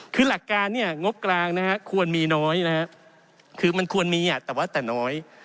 คือหลักการเนี่ยงบกลางนะฮะควรมีน้อยนะฮะคือมันควรมีอ่ะแต่ว่าแต่น้อย